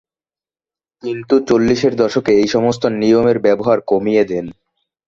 কিন্তু চল্লিশের দশকে এই সমস্ত নিয়মের ব্যবহার কমিয়ে দেন।